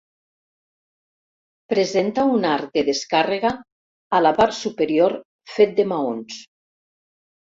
Presenta un arc de descàrrega a la part superior fet de maons.